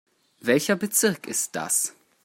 Welcher Bezirk ist das?